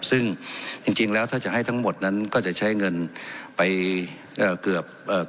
ซึ่งจริงจริงแล้วถ้าจะให้ทั้งหมดนั้นก็จะใช้เงินไปเอ่อเกือบเอ่อ